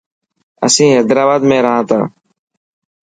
اسين حيدرآباد ۾ رهان ٿا.